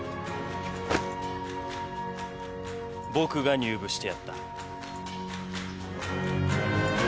僕が入部してやった。